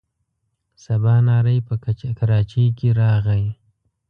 سبا نهاری په کراچۍ کې راغی.